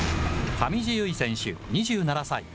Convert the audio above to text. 上地結衣選手２７歳。